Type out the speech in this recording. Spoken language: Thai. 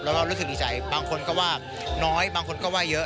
แล้วก็รู้สึกดีใจบางคนก็ว่าน้อยบางคนก็ว่าเยอะ